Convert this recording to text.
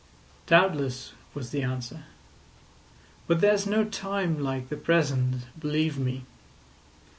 "Doubtless," was the answer; "but there's no time like the present, believe me.